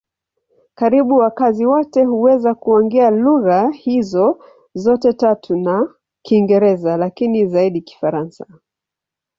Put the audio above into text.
Karibu wakazi wote huweza kuongea lugha hizo zote tatu na Kiingereza, lakini zaidi Kifaransa.